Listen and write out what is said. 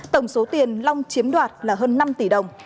tổng số tiền long chiếm đoạt là hơn năm tỷ đồng